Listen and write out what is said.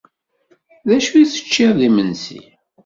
D acu teččiḍ d imensi?